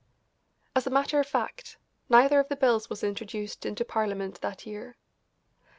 As a matter of fact, neither of the bills was introduced into Parliament that year.